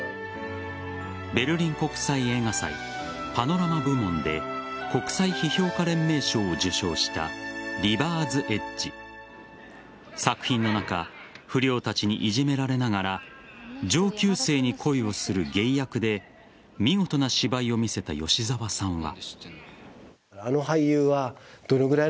ベルリン国際映画祭パノラマ部門で国際批評家連盟賞を受賞した「リバーズ・エッジ」作品の中不良たちにいじめられながら上級生に恋をするゲイ役で見事な芝居を見せた吉沢さんは。